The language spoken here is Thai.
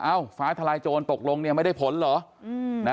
ฟ้าทลายโจรตกลงเนี่ยไม่ได้ผลเหรอ